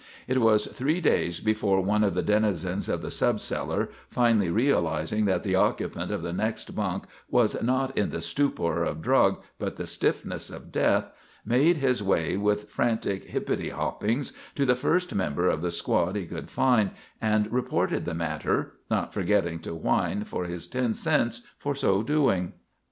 It was three days before one of the denizens of the subcellar, finally realising that the occupant of the next bunk was not in the stupor of drug but the stiffness of death, made his way with frantic hippity hoppings to the first member of the squad he could find and reported the matter, not forgetting to whine for his ten cents for so doing.